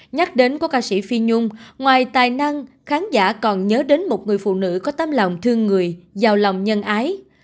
nhắc đến có ca sĩ phi nhung ngoài tài năng khán giả còn nhớ đến một người phụ nữ có tâm lòng thương người giàu lòng nhân ái